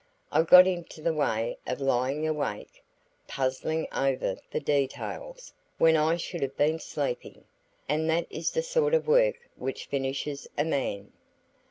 I got into the way of lying awake, puzzling over the details, when I should have been sleeping, and that is the sort of work which finishes a man.